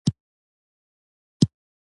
او د خلافت پر څوکۍ کېناست.